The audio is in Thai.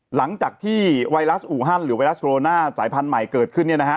หลังจากที่ไวรัสอูฮันหรือไวรัสโรนาสายพันธุ์ใหม่เกิดขึ้น